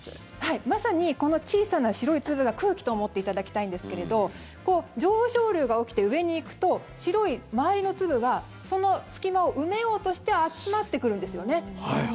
まさにこの小さな白い粒が空気と思っていただきたいんですけれど上昇流が起きて上に行くと白い周りの粒はその隙間を埋めようとして集まってくるんですよね。